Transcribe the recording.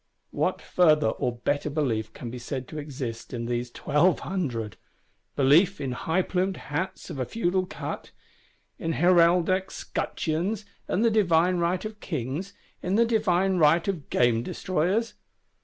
What further or better belief can be said to exist in these Twelve Hundred? Belief in high plumed hats of a feudal cut; in heraldic scutcheons; in the divine right of Kings, in the divine right of Game destroyers.